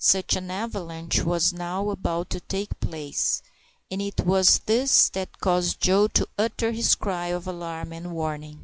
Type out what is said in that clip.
Such an avalanche was now about to take place, and it was this that caused Joe to utter his cry of alarm and warning.